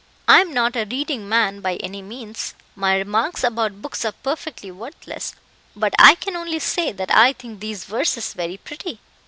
I am not a reading man, by any means. My remarks about books are perfectly worthless, but I can only say that I think these verses very pretty.